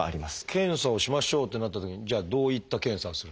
検査をしましょうとなったときにじゃあどういった検査をするんでしょうか？